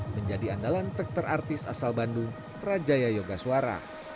menjadi andalan tekter artis asal bandung rajaya yogaswara